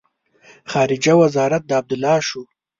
خارجه وزارت د عبدالله شو.